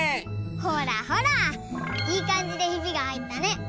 ほらほらいいかんじでひびがはいったね。